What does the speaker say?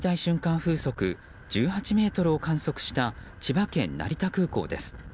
風速１８メートルを観測した、千葉県成田空港です。